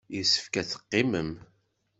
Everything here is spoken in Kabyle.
Yessefk ad teqqimem.